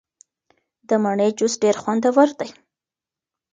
د مڼې جوس ډیر خوندور دی.